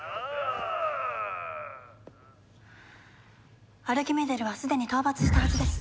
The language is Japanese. アルキメデルはすでに討伐したはずです。